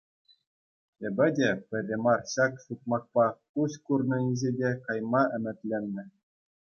Эпӗ те пӗрре мар ҫак сукмакпа куҫ курнӑ инҫете кайма ӗмӗтленнӗ.